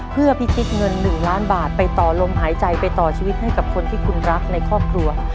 เพื่อพิชิตเงิน๑ล้านบาทไปต่อลมหายใจไปต่อชีวิตให้กับคนที่คุณรักในครอบครัว